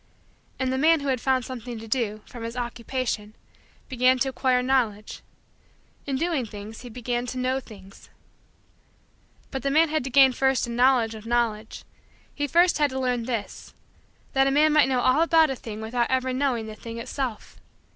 And the man who had found something to do, from his Occupation, began to acquire Knowledge. In doing things, he began to know things. But the man had to gain first a knowledge of Knowledge. He first had to learn this: that a man might know all about a thing without ever knowing the thing itself.